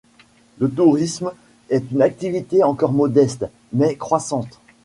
Le tourisme est une activité encore modeste, mais croissante.